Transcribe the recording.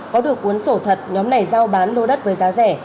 có được cuốn sổ thật nhóm này giao bán lô đất với giá rẻ